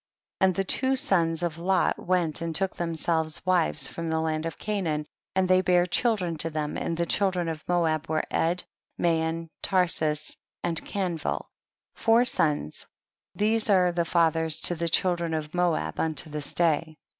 And the two sons of Lot went and took themselves wives from the land of Canaan, and they bare children to them, and the children of Moab were Ed, Mayon, Tarsus, and Kanvil, four sons, these are fathers to the children of Moab unto this day.